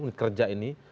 unit kerja ini